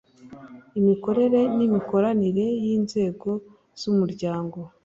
imikorere n’imikoranire y’inzego z’umuryango